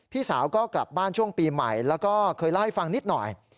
พี่สาวก็กลับบ้านช่วงปีใหม่แล้วก็เคยเล่าให้ฟังนิดหน่อย